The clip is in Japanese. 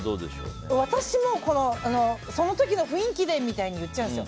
私も、その時の雰囲気でみたいに言っちゃうんです。